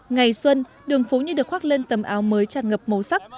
ngày xuân đường phố như được khoác lên tấm áo mới chặt ngập màu sắc